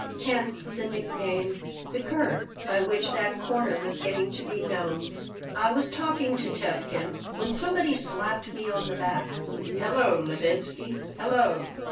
Hence the nickname "The Curb" by which that corner was getting to be known I was talking to Tevkin when somebody slapped me on the back "Hello, Levinsky! Hello!"